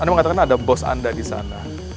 anda mengatakan ada bos anda di sana